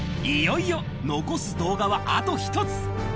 いよいよ、残す動画はあと一つ。